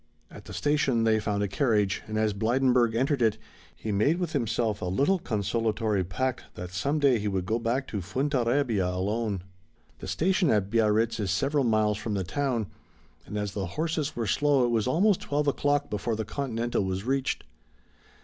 At the station they found a carriage, and, as Blydenburg entered it, he made with himself a little consolatory pact that some day he would go back to Fuenterrabia alone. The station at Biarritz is several miles from the town, and as the horses were slow it was almost twelve o'clock before the Continental was reached.